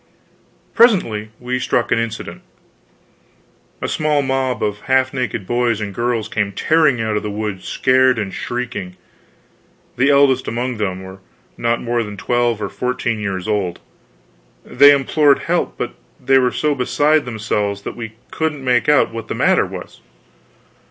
Presently we struck an incident. A small mob of half naked boys and girls came tearing out of the woods, scared and shrieking. The eldest among them were not more than twelve or fourteen years old. They implored help, but they were so beside themselves that we couldn't make out what the matter was.